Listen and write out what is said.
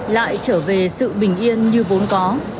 lại trở về sự bình yên như vốn có